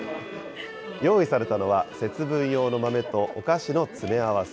用意されたのは、節分用の豆とお菓子の詰め合わせ。